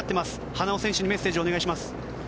花尾選手にメッセージをお願いします。